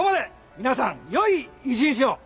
皆さんよい一日を！